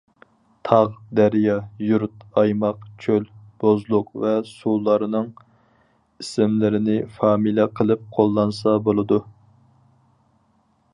تاغ، دەريا، يۇرت، ئايماق، چۆل، بوزلۇق ۋە سۇلارنىڭ ئىسىملىرىنى فامىلە قىلىپ قوللانسا بولىدۇ.